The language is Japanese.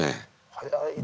早いね。